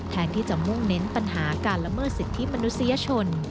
แทนที่จะมุ่งเน้นปัญหาการละเมิดสิทธิมนุษยชน